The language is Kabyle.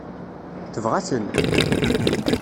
Tebɣa-ten?